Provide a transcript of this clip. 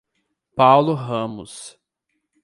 Paulo Ramos